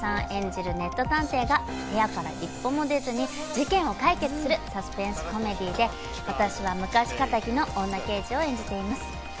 演じるネット探偵が部屋から一歩も出ずに事件を解決するサスペンスコメディーで、私は昔かたぎの女刑事を演じています。